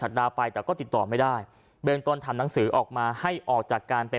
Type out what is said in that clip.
ดาไปแต่ก็ติดต่อไม่ได้เบื้องต้นทำหนังสือออกมาให้ออกจากการเป็น